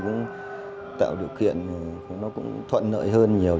cũng tạo điều kiện nó cũng thuận nợi hơn nhiều